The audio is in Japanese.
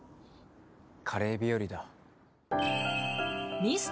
「カレー日和だ」